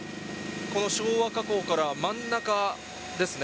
この昭和火口から真ん中ですね。